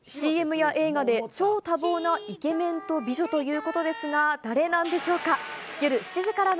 ＣＭや映画で超多忙なイケメンと美女ということですが、誰なんでしょうか。